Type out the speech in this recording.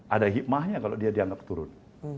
ada hikmahnya kalau dia dianggap turun